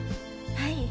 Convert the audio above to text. はい。